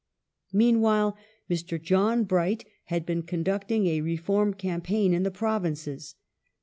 ^ Meanwhile Mr. John Bright had been conducting a reform campaign in the Provinces.